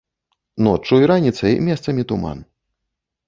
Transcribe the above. Ноччу і раніцай месцамі туман.